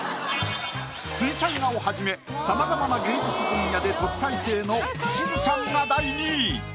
水彩画をはじめさまざまな芸術分野で特待生のしずちゃんが第２位。